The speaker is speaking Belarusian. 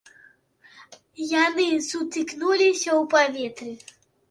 Яны сутыкнуліся ў паветры.